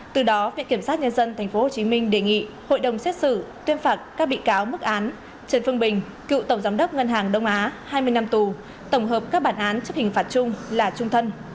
từ đó viện kiểm sát nhân dân tp hcm đề nghị hội đồng xét xử tuyên phạt các bị cáo mức án trần phương bình cựu tổng giám đốc ngân hàng đông á hai mươi năm tù tổng hợp các bản án chấp hình phạt chung là trung thân